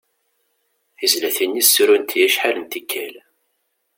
Tizlatin-is srunt-iyi acḥal n tikal.